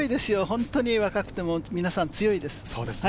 本当に若くても皆さん強いです。